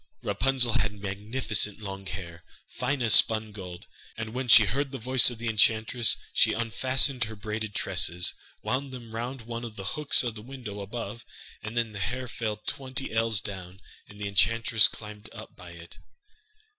Rapunzel had magnificent long hair, fine as spun gold, and when she heard the voice of the enchantress she unfastened her braided tresses, wound them round one of the hooks of the window above, and then the hair fell twenty ells down, and the enchantress climbed up by it.